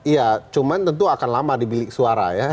iya cuman tentu akan lama dibelik suara ya